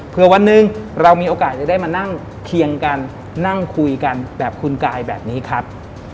เพื่อวันหนึ่งเรามีโอกาสจะได้มานั่งเคียงกันนั่งคุยกันแบบคุณกายแบบนี้ครับ